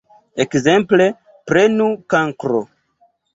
Ekzemple, prenu Kankro.